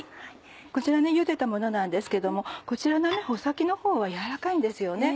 こちらゆでたものなんですけどもこちらの穂先のほうは柔らかいんですよね。